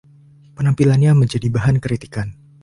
Penampilannya menjadi bahan kritikan.